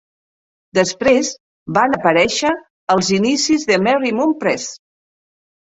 Després van aparèixer els inicis de Merrymount Press.